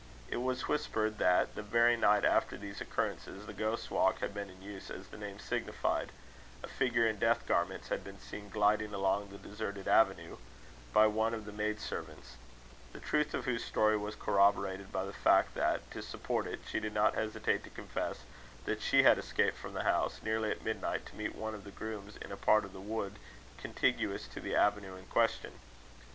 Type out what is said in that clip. It was whispered that, the very night after these occurrences, the Ghost's Walk had been in use as the name signified: a figure in death garments had been seen gliding along the deserted avenue, by one of the maid servants; the truth of whose story was corroborated by the fact that, to support it, she did not hesitate to confess that she had escaped from the house, nearly at midnight, to meet one of the grooms in a part of the wood contiguous to the avenue in question.